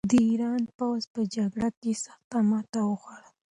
د ایران پوځ په جګړه کې سخته ماته وخوړه.